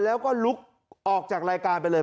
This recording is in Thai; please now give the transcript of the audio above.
แล้วก็ลุกออกจากรายการไปเลย